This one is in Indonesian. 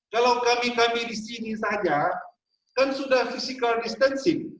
kalau kami kami di sini saja kan sudah physical distancing